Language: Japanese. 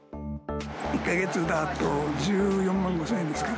１か月だと１４万５０００円ですか。